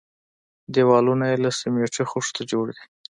دېوالونه يې له سميټي خښتو جوړ دي.